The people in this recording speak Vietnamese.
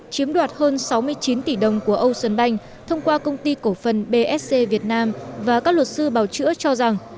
chiếm đoạt hơn sáu mươi chín tỷ đồng của ocean bank thông qua công ty cổ phần bsc việt nam và các luật sư bào chữa cho rằng